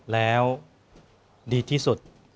แล้วดีที่สุด